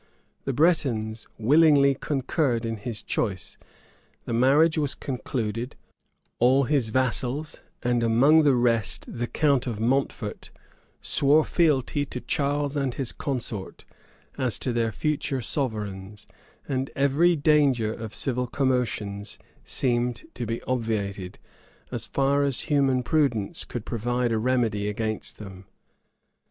The Bretons willingly concurred in his choice: the marriage was concluded: all his vassals, and among the rest the count of Mountfort, swore fealty to Charles and to his consort, as to their future sovereigns; and every danger of civil commotions seemed to be obviated, as far as human prudence could provide a remedy against them.